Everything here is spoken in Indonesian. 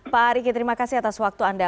pak riki terima kasih atas waktu anda